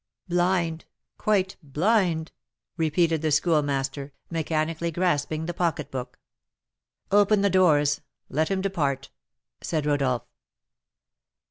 "Blind! quite blind!" repeated the Schoolmaster, mechanically grasping the pocketbook. "Open the doors, let him depart!" said Rodolph.